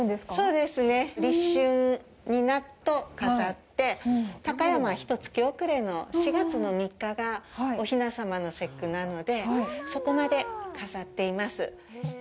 そうですね、立春になると飾って高山はひとつき遅れの４月の３日がおひな様の節句なのでそこまで飾っています。